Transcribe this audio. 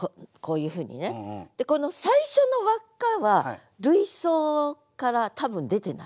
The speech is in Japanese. でこの最初の輪っかは類想から多分出てない。